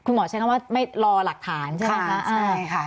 คุณหมอใช้คำว่าไม่รอหลักฐานใช่ไหมคะ